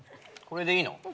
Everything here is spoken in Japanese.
これでいいの？